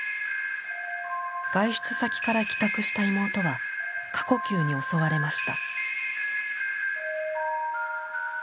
外出先から帰宅した妹は過呼吸に襲われました。